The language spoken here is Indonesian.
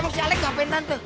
emang si alex gak pengen tante